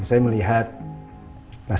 rasa sayang kalau kita melakukan apa apa